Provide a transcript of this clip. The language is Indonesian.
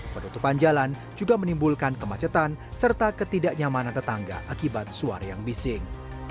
penutupan jalan juga menimbulkan kemacetan serta ketidaknyamanan tetangga akibat suar yang bising